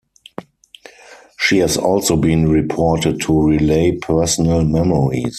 She has also been reported to relay personal memories.